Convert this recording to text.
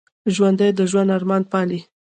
ژوندي د ژوند ارمان پالي